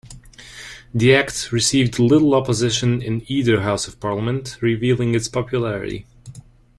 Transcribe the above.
The Act received little opposition in either House of Parliament - revealing its popularity.